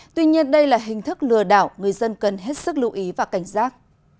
tuy nhiên đây là hình thức lừa đảo người dân cần hết sức lưu ý và cảnh giác